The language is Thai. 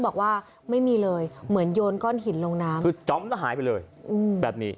บอกว่าไม่มีเลยเหมือนโยนก้อนหินลงน้ำหายไปเลยแบบนี้